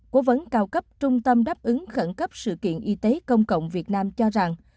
cố vấn cao cấp trung tâm đáp ứng khẩn cấp sự kiện y tế công cộng việt nam cho rằng